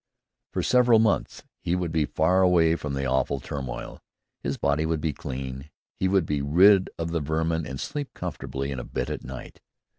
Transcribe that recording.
For several months he would be far away from the awful turmoil. His body would be clean; he would be rid of the vermin and sleep comfortably in a bed at night.